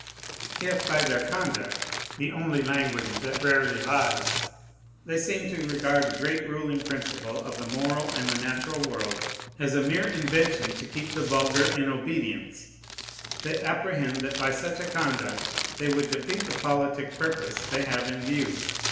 If by their conduct (the only language that rarely lies) they seemed to regard the great ruling principle of the moral and the natural world as a mere invention to keep the vulgar in obedience, they apprehend that by such a conduct they would defeat the politic purpose they have in view.